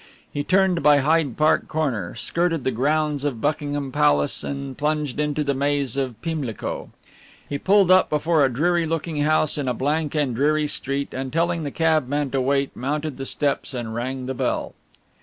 He turned by Hyde Park Corner, skirted the grounds of Buckingham Palace and plunged into the maze of Pimlico. He pulled up before a dreary looking house in a blank and dreary street, and telling the cabman to wait, mounted the steps and rang the bell.